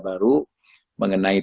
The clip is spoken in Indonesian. baru mengenai tindakan